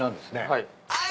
はい。